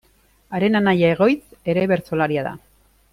Haren anaia Egoitz ere bertsolaria da.